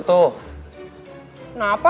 terima kasih siap